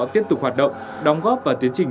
tiếp tục hoạt động đóng góp và tiến trình